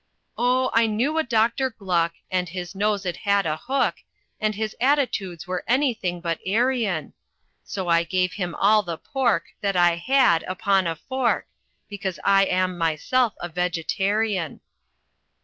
"Oh I knew a Doctor Gluck, And his nose it had a hook, And his attitudes were anything but Aryan ; So I gave him all the pork That I had, upon a fork; Because I am myself a Vegetarian."